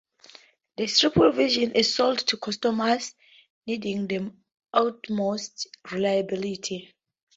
The triple version is sold to customers needing the utmost reliability.